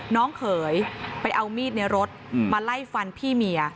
เขยไปเอามีดในรถมาไล่ฟันพี่เมีย